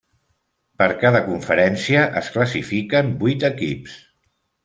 Per cada conferència es classifiquen vuit equips.